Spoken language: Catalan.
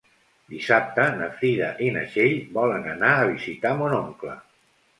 Dissabte na Frida i na Txell volen anar a visitar mon oncle.